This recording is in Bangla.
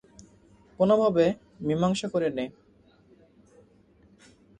কোনোভাবে মীমাংসা করে নে।